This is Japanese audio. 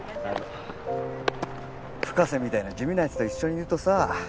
深瀬みたいな地味なやつと一緒にいるとさ